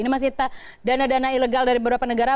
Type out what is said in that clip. ini masih dana dana ilegal dari beberapa negara